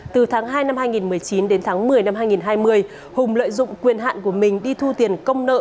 từ tháng hai năm hai nghìn một mươi chín đến tháng một mươi năm hai nghìn hai mươi hùng lợi dụng quyền hạn của mình đi thu tiền công nợ